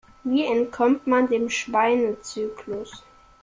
Wie entkommt man dem Schweinezyklus?